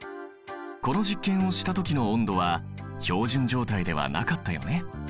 この実験をしたときの温度は標準状態ではなかったよね。